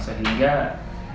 sehingga kita putuskan